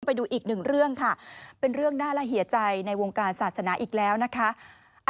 ไปดูอีกหนึ่งเรื่องค่ะเป็นเรื่องน่าและเสียใจในวงการศาสนาอีกแล้วนะคะ